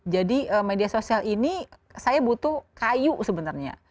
jadi media sosial ini saya butuh kayu sebenarnya